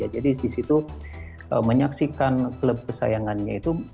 jadi di situ menyaksikan klub kesayangannya itu